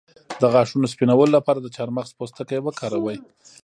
د غاښونو سپینولو لپاره د چارمغز پوستکی وکاروئ